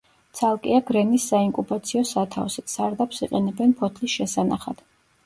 ცალკეა გრენის საინკუბაციო სათავსი, სარდაფს იყენებენ ფოთლის შესანახად.